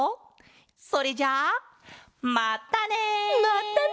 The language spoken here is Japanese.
それじゃあまったね！